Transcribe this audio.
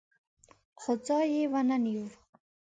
خو ځای یې ونه نیو.